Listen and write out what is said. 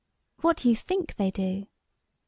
" What do you think they do ?"